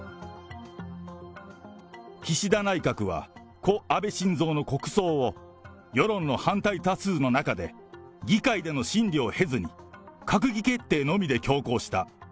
岸田内閣は故・安倍晋三の国葬を、世論の反対多数の中で、議会での審理を経ずに、閣議決定のみで強行した。